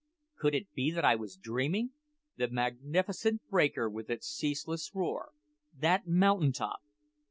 could it be that I was dreaming? that magnificent breaker with its ceaseless roar that mountain top!